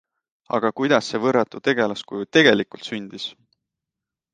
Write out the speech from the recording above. Aga kuidas see võrratu tegelaskuju tegelikult sündis?